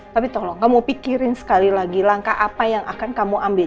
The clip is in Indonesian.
tapi tolong kamu pikirin sekali lagi langkah apa yang akan kamu ambil